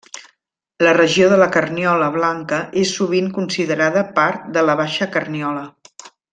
La regió de la Carniola Blanca és sovint considerada part de la Baixa Carniola.